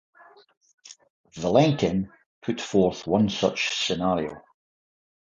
Vilenkin put forth one such scenario.